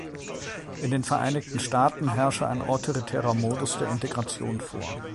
In den Vereinigten Staaten herrsche ein autoritärer Modus der Integration vor.